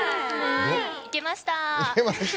いけました！